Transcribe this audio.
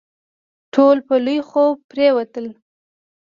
ټول په لوی خوب پرېوتل.